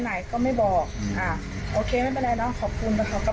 ถ้ามีอะไรยังงี้ก็ฝากดูแลเลยนะ